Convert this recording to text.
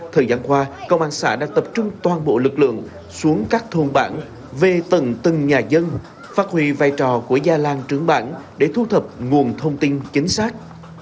thời gian qua công an xã đã tập trung toàn bộ lực lượng xuống các thôn bản về tầng từng nhà dân phát huy vai trò của gia làng trưởng bản để thu thập nguồn thông tin chính xác